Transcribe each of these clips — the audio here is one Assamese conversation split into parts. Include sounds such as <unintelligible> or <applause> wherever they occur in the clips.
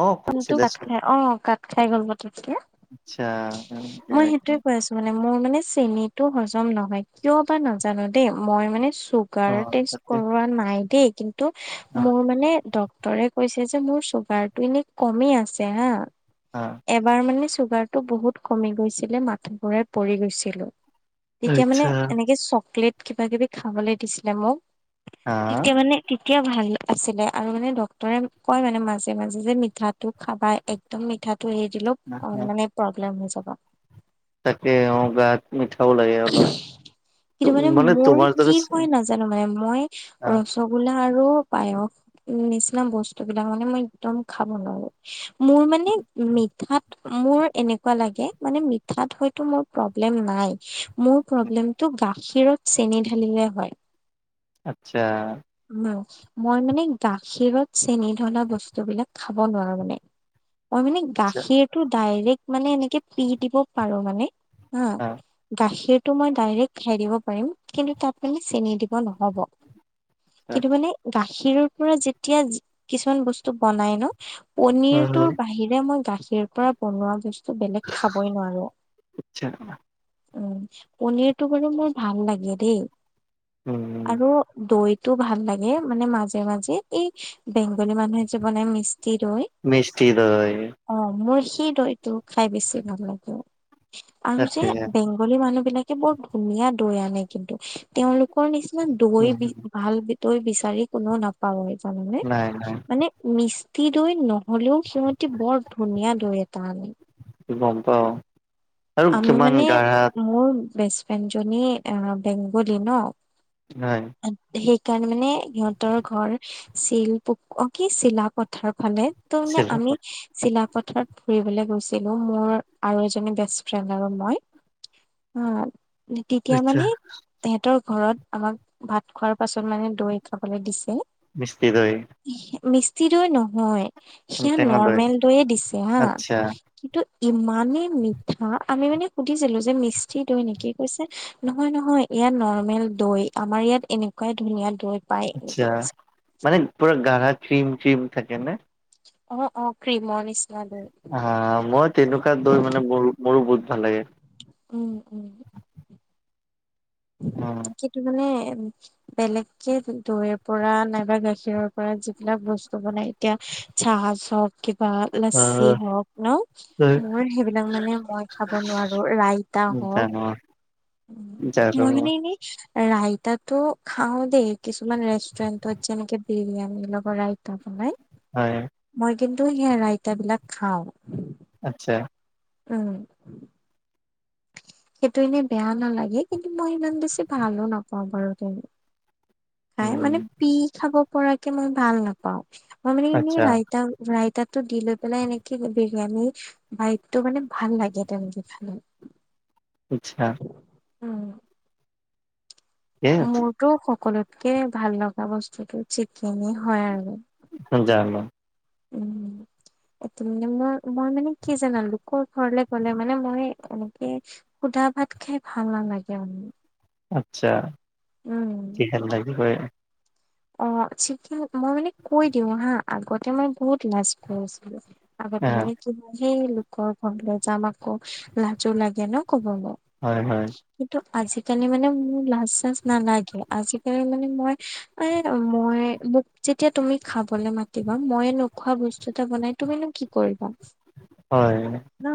অ কাত কৰিছিলেচোন খাই অ, কাত খাই গ'ল পতককে। আচ্ছা। মই সেইটোয়ে কৈ আছো মানে মোৰ মানে চেনিতো হজম নহয় কিয় বা নাজানো দেই মই মানে অ চুগাৰ টেষ্ট তাকে কৰোৱা নাইদেই কিন্তু অ অ মোৰ মানে ডক ক্তৰে কৈছে যে, মোৰ চুগাৰটো এনেই কমেই আছে হা, এবাৰ মানে চুগাৰ টো বহুত কমি গৈছিলে মাথাঘূৰাই পৰি গৈছিলো। তেতিয়া মানে আচ্ছা এনেকে চকলেট কিবা-কিবি খাবলৈ দিছিলে মোক হা তেতিয়া মানে তেতিয়া ভাল আছিলে আৰু মানে ডক্তৰে কয় মানে মাজে-মাজে যে মি মিঠাটো খাবা একদম মিঠাটো এৰি দিলো অ, মানে প্ৰব্লেম হৈ যাব। তাকে অ, গাত মিঠাও লাগে অলপ তো কিন্তু মানে মোৰ তোমাৰ কি দৰে চ হয় নাজানো মানে মই আ ৰসগোল্লা আৰু পায়স নিচিনা বস্তুবিলাক মানে মই এক্দম খাব নোৱাৰো। মোৰ মানে হুম, মিঠাত মোৰ এনেকুৱা লাগে মানে মিঠাত হয়তো মোৰ প্ৰব্লেম নাই মোৰ হুম। প্ৰব্লেমটো গাখীৰত চেনি ঢালিলে হয়। আচ্ছা, মই মানে গাখীৰত চেনি ধলা বস্তু বিলাক খাব নোৱাৰো মানে। মই মানে আচ্ছা গাখীৰটো ডাইৰেক্ট মানে এনেকে পি, দিব পাৰো মানে অ, আচ্ছা গাখীৰ মই ডাইৰেক খাই দিব পাৰিম কিন্তু তাত মানে চেনি দিব নহ'ব। কিন্তু মানে গাখীৰৰ পৰা যেতিয়া কিছুমান বস্তু বনাই ন। হুম, পনিৰটোৰ হুম। বাহিৰে মই গাখীৰ পৰা বনোৱা ব বেলেগ খাবই নোৱাৰো। আচ্ছা উম পনীৰটো বাৰু মোৰ ভাল লাগে দেই উম আৰু দৈ টো ভাল লাগে মানে মাজে মাজে এই বেংগলী মানুহে যে বনাই মি দৈ মিষ্টি দৈ অ মোৰ সেই দৈটো খাই বেছি ভাল লাগে আৰু যে তাকে বেংগলী মানুহ বিলাক বৰ ধুনীয়া দৈ আনে কিন্তু তেওঁলোকৰ নিচিনা দৈ উম বি ভাল দৈ বিচ ৰি তাৰে কোনেও নাপাও জানানে? নাই নাই মানে মি ঠি দৈ নহলেও সিহতি বৰ ধুনীয়া দৈ এটা আনে। গম পাও আৰু কিমান গাঢ়া বেষ্টগ্ৰিয়েণ্ড জনী এ বেংগলী ন হয় সেই কাৰণ মানে সিহঁতৰ ঘৰ চিল প কি চিলাপথাৰ ফালে। ত মানে আমি চিলাপত। চিলাপথাৰত ফুৰিবলৈ গৈছিলো মোৰ আৰু এজনী ব্যস্ত <inaudible> ফ্ৰেণ্ড আৰু মই অ তেতিয়া আচ্ছা মানে তেহতৰ ঘৰত আমাক ভাত খোৱাৰ পাছত মানে দৈ খাবলৈ দিছে মিস্তি দৈ মিষ্টি দৈ নহয় সেয়া টেঙা দৈ নৰ্মেল দৈয়ে দিছে হা আচ্ছা কিন্তু ইমানে মি <inaudible> হা আমি মানে সুধিছিলো যে মিস্তি দৈ নেকি কৈছে নহয় নহয় এয়া নৰ্মেল দৈ আমাৰ ইয়াত এনেকুৱাই ধুনীয়া দৈ পায় এনেকে আচছা মানে পুৰা গাৰহা ক্ৰীম ক্ৰীম থাকে নে অ অ ক্ৰীমৰ নিছি <inaudible> হা মই তেনেকুৱা দৈ মানে মোৰ মোৰো বহুত ভাল লাগে উম উম উম। কিন্তু মানে বেলেগকে দৈৰ পৰা নাইবা গাখীৰৰ পৰা যিবিলাক বস্তু বনাই এতিয়া চাহ চব <inaudible> বা অ লাচঁচি হওক ন মোৰ সেইবিলাক মানে মই খাব নোৱাৰো ৰাইতা হওক <inaudible> জানো মানে ৰাইতাটো খাও দেই কিছুমান ৰেষ্টুৰেণ্টত যেনেকে বিৰিয়ানীৰ লগত ৰাইতা বনাই হয় মই কিন্তু সেই ৰাইতা বিলাক খাওঁ আত্ছা উম <inaudible> সেইটো এনেই বেয়া নালাগে কিন্তু মই ইমান বেছি ভালো নাপাওঁ বাৰু কিন খাই মানে উম। পি খাব পৰাকে মই ভাল নাপাওঁ ময় মানে এনে আচ্ছা ৰাইতা ৰাইতাত টো দি লৈ পেলাই এনেকে বিৰিয়ানী বাইতটো মানে ভাল লাগে তেনেকে খালে আচ্ছা অ এ মোৰতটো সকলোতকে ভাল লগা বস্তুতটো চিকেনি হয় আৰু <unintelligible> উম এটো মানে মই মই মানে কি জানা লোকৰ ঘৰলে গ'লে মানে মই এনেকে খুদা ভাত খাই ভাল নালাগে মানে আচ্ছা উম। কি <inaudible> অ চিকেন মই মানে কৈ দিওঁ হা আগতে মই বহুত লাজ কৰিছিলো আগতে আহ মানে কিবা সেই লোকৰ ঘৰলৈ যাম আকৌ লাজো লাগে ন কবনো হয় অ', হয় কিন্তু আজিকালি মানে মোৰ লাজ চাজ নালাগে আজিকালি মানে মই এ মই মোক যেতিয়া তুমি খাবলৈ মাতিবা মই নোখোৱা বস্তু এটা বনাই তুমিনো কি কৰিবা হয় ন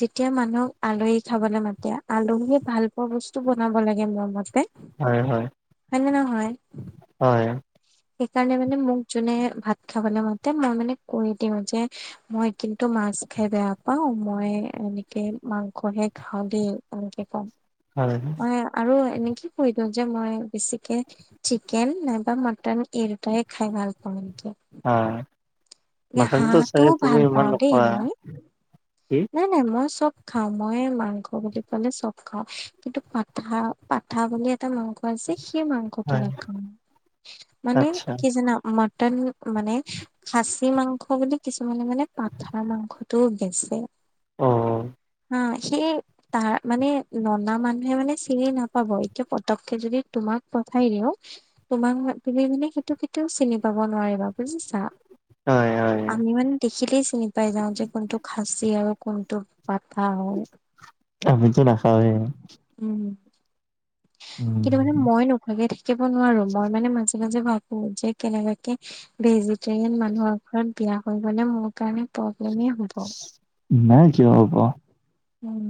যেতিয়া মানুহক আলহী খাবলৈ মাতে আলহীয়ে ভাল পোৱা বস্তু বনাব লাগে মোৰমতে হয় হয় হয়নে নহয় হয় সেইকাৰণে মানে মোক যোনে ভাত খাবলৈ মাতে মই মানে কৈ দিওঁ যে মই কিন্তু মা- -ছ খাই বেয়া পাও মই এনেকে মাংসহে খাওঁ দ এনেকে কম হয় আৰু এনেকে কৈ দিওঁ যে মই বেছিকে চিকেন নাইবা মটন এই দুটাইে খাই ভাল পাওঁ অ এ মাটনটো চাগে হাঁহটোও তুমি ভাল ইমান পাওঁ দেই নোখোৱা মই। কি নাই নাই মই চব খাওঁ। মই মাংস বুলি কলে চব খাওঁ কিন্তু পাঠা পাঠা বুলি এটা মাংস আছে সেই মাংসটো হয় নাখাওঁ মানে আচ্ছা কি জানা <unintelligible> মানে খাচী মাংস বুলি কিছুমানে মানে পাঠাৰ মাংসটো বেচে। অহ। হা সেই তাৰ মানে ননা মানুহে মানে চিনি নাপাব এতিয়া পতককে যদি তোমাক পঠাই দিও তোমাক তুমি মানে সেইটো কেতিয়াও চিনি পাব নোৱাৰিবা বুজিছা? হয় হয় আমি মানে দেখিলেই চিনি পাই যাওঁ যে কোনটো খাচি আৰু কোনটো পাঠা হয়। আমিতো নাখাওঁৱেই! উম কিন্তু মানে মই নোখোৱাকে থাকি <inaudible> নোৱাৰো মই মানে মাজে মাজে ভাবো যে কেনেবাকে ভেজিটেৰিয়ান মানুহৰ ঘৰত বিয়া হৈ গ'লে মোৰ কাৰণে প্ৰব্লেমেই হ'ব। নাই কিয় হব। উম।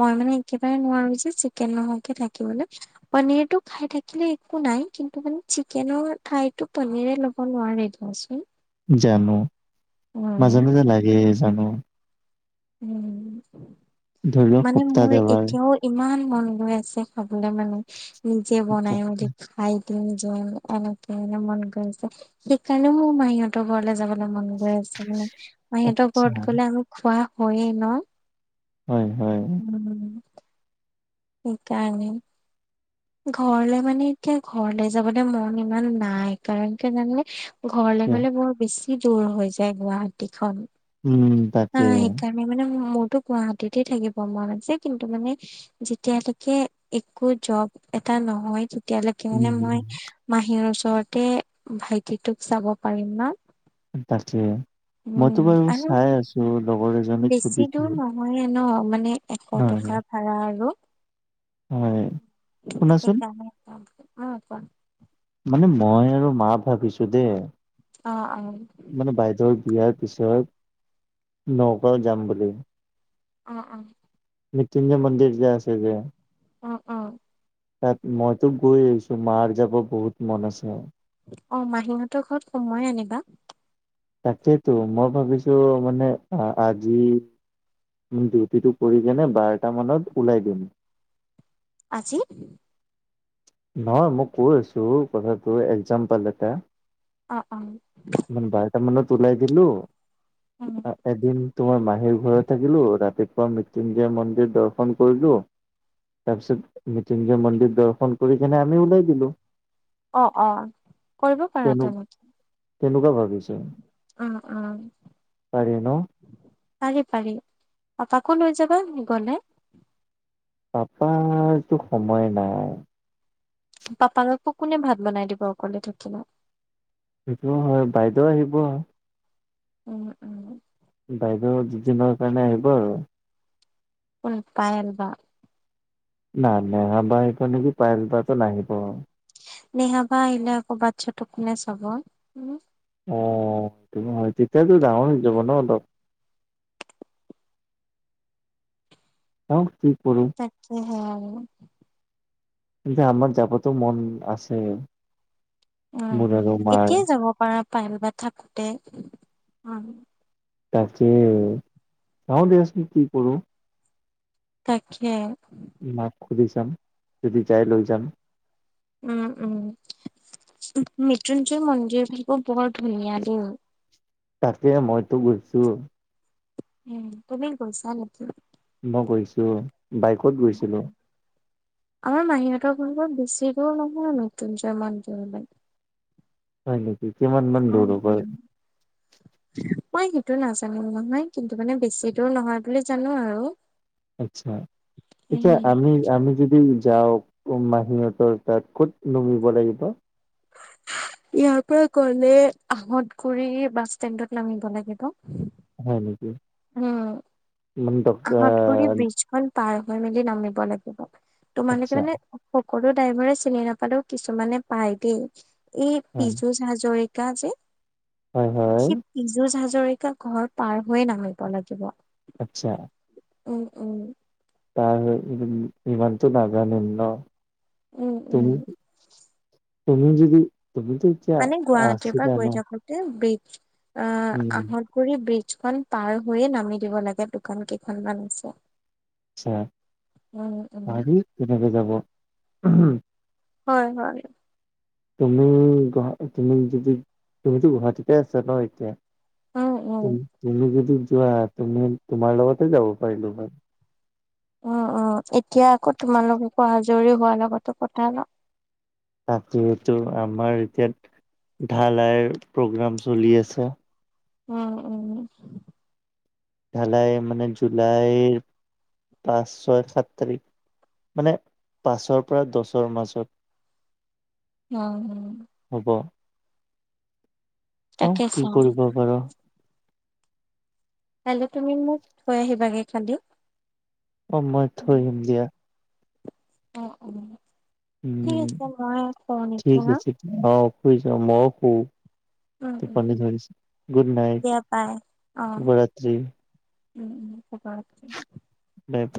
মই মানে একেবাৰে নোৱাৰো যে চিকেন নোহোৱাকে থাকিবলৈ পনিৰটো খাই থাকিলে একো নাই। কিন্তু মানে চিকেনৰ ঠাইতো পনীৰে ল'ব নোৱাৰে দিয়াচোন। জানো মাজে উম। মাজে লাগে জানো। উম ধৰি লওক মানে মোৰ সপ্তাহত এবাৰ। এতিয়াও ইমান মন গৈ আছে খাবলৈ মানে নিজে আচ্ছা বনাই মেলি খাই নিজৰ এনেকে মানে মন গৈ আছে। সেইকাৰণেও মোৰ মাহীহঁতৰ ঘৰলৈ যাবলৈ মন গৈ আছে মানে! মাহীহঁতৰ আচ্ছা, ঘৰত গলে আমি খোৱা হয়েই ন! হয়, হয়। উম, সেইকাৰণে ঘৰলে মানে এতিয়া ঘৰলে যাবলৈ মন ইমান নাই। কাৰণ কিয় জানানে? ঘৰলৈ আচ্ছা। গ'লে বৰ বেছি দূৰ হৈ যায় গুৱাহাটীখন। উম, অ', তাকে। সেইকাৰণে মানে গুৱাহাটীতে থাকিব মন আছে কিন্তু মানে যেতিয়ালৈকে একো জব এ এটা নহয় তেতিয়ালৈকে উম, মানে হুম, মই মাহীৰ ওচৰতে ভাইটিটোক চাব পাৰিম ন? তাকে উম মইতো বাৰু আৰু চাই আছো লগৰ এজনীক বেছি সুধিছো। দূৰ নহয়ে ন মানে এশ হয়, টকাৰ ভাড়া আৰু। হয়। শুনাচোন, সেইকাৰণে। উম কোৱা! মানে মই আৰু মা ভাবিছো দেই! অ', অ'। মানে বাইদেউৰ বিয়াৰ পিছত নগাঁও যাম বুলি। অ', অ'। এই টিলিঙা মন্দিৰ যে আছে যে অ', অ'। তাত মইতো গৈ আহিছোঁ। মাৰ যাব বহুত মন আছে। অ', মাহীহঁতৰ ঘৰত সোমাই আনিবা। তাকেইতো মই ভাবিছোঁ মানে আজি ডিউটিটো কৰি কেনে, বাৰটা মানত ওলাই দিম। আজি? নহয়, মই কৈ আছোঁ, কথাটো একজাম্প'ল এটা। অ', অ'। <inaudible> ওলাই দিলোঁ, উম এদিন তোমাৰ মাহীৰ ঘৰত থাকিলোঁ। ৰাতি মৃত্যুঞ্জয় মন্দিৰ দৰ্শন কৰিলো। তাৰ পিছত মৃত্যুঞ্জয় মন্দিৰ দৰ্শন কৰি কেনে আমি ওলাই দিলোঁ। অ', অ', কৰিব পাৰা তেনেকে। কেনেকুৱা ভাবিম অ অ পাৰি ন পাৰি পাৰি, পাপাকো লৈ যাবা গ'লে। পাপাৰটো সময় নাই। পাপাৰ কোনে ভাত বনাই দিব অকলে থাকিলে? সেইটো হয়, বাইদেউ আহিব। উম! উম! বাইদেউ দুদিনৰ কাৰণে আহিব আৰু। কোন পায়েল বা? পায়েল বাটো নাহিব নিশা বা আহিলে আকৌ বাচ্ছাটোক কোনে চাব? উম অ', তেতিয়াতো ডাঙৰ হৈ যাব ন। অ', কি? কৰো তাকে হে। কিন্তু আমাৰ যাবতো মন আছে। উম! মোৰ আৰু মাৰ এতিয়াই যাব পাৰা পাইল বা থাকোঁতে। অহ তাকে চাওঁ দিয়াচোন, কি কৰোঁ। তাকে। মাক সুধি চাম, যদি যাই লৈ যাম। উম! উম! মৃত্যুঞ্জয় মন্দিৰটো বৰ ধুনীয়া দেই। তাকে, মইতো গৈছোঁ। উম! তুমি গৈছা নেকি? মই গৈছোঁ, বাইকত অ অ গৈছিলোঁ। আমাৰ মাহীহঁতৰ ঘৰটো বেছি দূৰ নহয় মৃত্যুঞ্জয় মন্দিৰলৈ হয় নেকি? কিমানমান উম, দূৰ হ'ব? উম। মই সেইটো নাজানো নহয়, কিন্তু মানে বেছি দূৰ নহয় বুলি জানো আৰু। আচ্ছা, এতিয়া উম। আমি আমি যদি যাও মাহীহঁতৰ তাত ক'ত নুমিব লাগিব? ইয়াৰ পৰা গ'লে আহতগুৰি বাছ ষ্টেণ্ডত নামিব লাগিব। হয় নেকি? উম! মানে আহতগুৰি ডক্তৰ ব্ৰীজখন পাৰ হৈ মেলি নামিব লাগিব। তোমালোকে আচ্ছা মানে সকলো ড্ৰাইভৰে চিনি নাপালেও, কিছুমানে পায় দেই। এই হয় পীয়ুষ হাজৰি যে হয় হয় সেই পীয়ুষ হাজৰিকা ঘৰ পাৰ হৈয়ে নামিব লাগিব। আচ্ছা। উম উম তাৰ ইমানটো নাজানে ন উম, উম। তুমি তুমি যদি তুমিতো এতিয়া মানে গুৱাহাটীৰ আছিলা ন অ উম আহঁতগুৰি ব্ৰীজ পাৰ হৈয়ে নামি দিব লাগে দোকান কেইখনমান আছে আচ্ছা উম উম। পাৰি তেনেকে যাব হয় হয় তুমি গু তুমি যদি তুমিতো গুৱাহাটীতে আছা ন এতিয়া উম উম তুমি যদি যোৱা তুমি তোমাৰ লগতে যাব পাৰিলো হয় অ অ এতিয়া আকৌ তোমালোক আকৌ আজৰি হোৱাৰ লগতো কথা লওঁ ৰাতিটো আমাৰ এতিয়া ঢালাইৰ প্ৰগ্ৰাম চলি আছে উম উম। ঢালাই মানে জুলাইৰ পাঁচ ছয় সাত তাৰিখ মানে পাঁচৰ পৰা দছৰ মাজত। উম হম। হ'ব চাও তাকে কি চাওঁ কৰিব পাৰো। কাইলে তুমি মোক থৈ আহিবা গে কালিও। অ মই থৈ আহিম দিয়া। অ অ। উম ঠিক ন আছে অ শুই যাম মইও শু। উম উম টুপনি ধৰিছে গুড নাইট দিয়া বাই অ। শুভৰাতি। উম উম শুবা। নাইপ